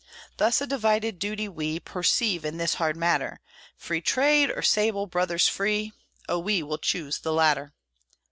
Thus a divided duty we Perceive in this hard matter Free trade, or sable brothers free? Oh, will we choose the latter!